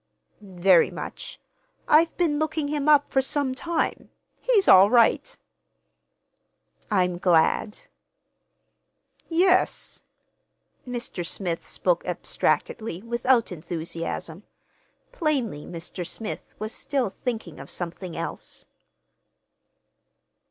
"Very much. I've been looking him up for some time. He's all right." "I'm glad." "Yes." Mr. Smith spoke abstractedly, without enthusiasm. Plainly Mr. Smith was still thinking of something else.